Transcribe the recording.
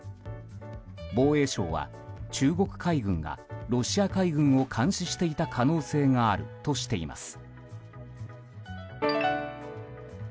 防衛省は中国海軍がロシア海軍を監視していた可能性があるとしています。